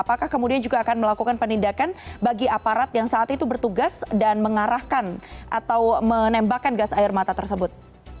apakah kemudian juga akan melakukan penindakan bagi aparat yang saat itu bertugas dan mengarahkan atau menembakkan gas air mata tersebut